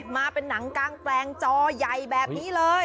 มาเป็นหนังกางแปลงจอใหญ่แบบนี้เลย